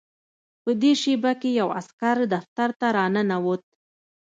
په دې شېبه کې یو عسکر دفتر ته راننوت